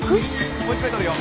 ・もう一枚撮るよ